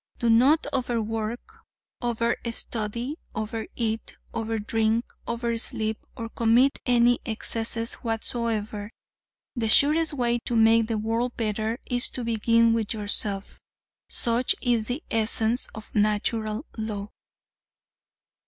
Do not over work, over study, over eat, over drink, over sleep, or commit any excess whatsoever. The surest way to make the world better is to begin with yourself. Such is the essence of Natural Law."